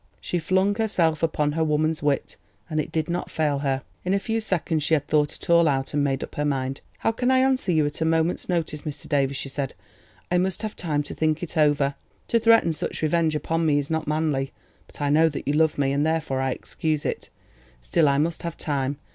She flung herself upon her woman's wit, and it did not fail her. In a few seconds she had thought it all out and made up her mind. "How can I answer you at a moment's notice, Mr. Davies?" she said. "I must have time to think it over. To threaten such revenge upon me is not manly, but I know that you love me, and therefore I excuse it. Still, I must have time.